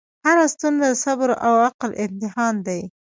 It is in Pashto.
هره ستونزه د صبر او عقل امتحان دی.